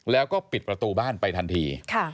แล้วก็ปิดประตูบ้านไปทันที